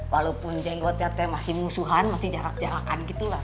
walaupun jenggotnya tuh masih musuhan masih jarak jarakan gitu lah